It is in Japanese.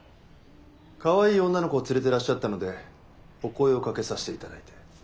かわいい女の子を連れてらっしゃったのでお声をかけさせて頂いて。